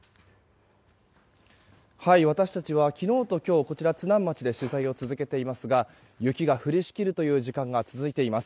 私たちは昨日と今日津南町で取材を続けていますが雪が降りしきるという時間が続いています。